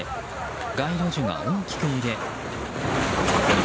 街路樹が大きく揺れ。